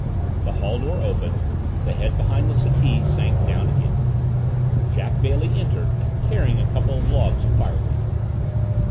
The hall door opened the head behind the settee sank down again. Jack Bailey entered, carrying a couple of logs of firewood.